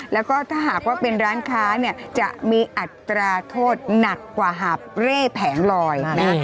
แล้วก็ถ้าหากว่าเป็นร้านค้าเนี่ยจะมีอัตราโทษหนักกว่าหาบเร่แผงลอยนะ